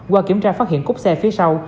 qua kiểm tra phát hiện cốc xe phía sau